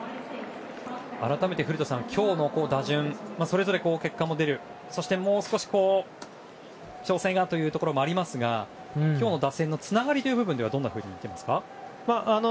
改めて、古田さん今日の打順それぞれ結果も出るそして、もう少し調整がというところもありますが今日の打線のつながりという部分ではどう見ていますか？